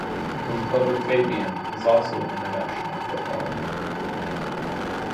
His brother Fabien is also an international footballer.